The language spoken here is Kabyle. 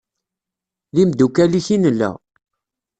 D imdukal-ik i nella.